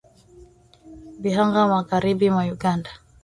Bihanga magharibi mwa Uganda